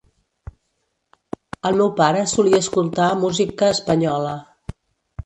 El meu pare solia escoltar músic a espanyola.